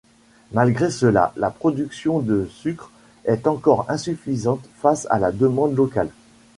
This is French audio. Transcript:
Malgré cela, la production de sucre est encore insuffisante face à la demande locale.